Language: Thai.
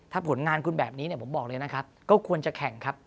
ถ้าผลงานคุณแบบนี้ผมบอกเลยนะครับก็ควรจะแข่งครับ